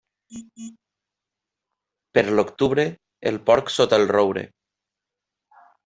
Per l'octubre, el porc sota el roure.